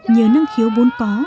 nhớ nâng khiếu vốn có